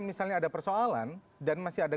misalnya ada persoalan dan masih ada